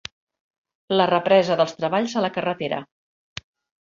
La represa dels treballs a la carretera.